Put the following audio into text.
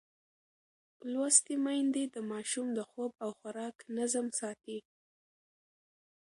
لوستې میندې د ماشوم د خوب او خوراک نظم ساتي.